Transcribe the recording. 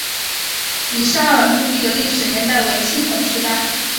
乙沙尔墓地的历史年代为青铜时代。